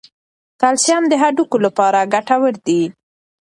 کلسیم د هډوکو لپاره ګټور دی.